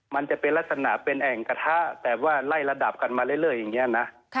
มันจะเป็นลักษณะเป็นแอ่งกระทะแต่ว่าไล่ระดับกันมาเรื่อยอย่างนี้นะ